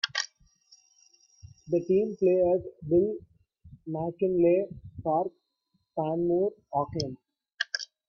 The team play at Bill McKinlay Park, Panmure, Auckland.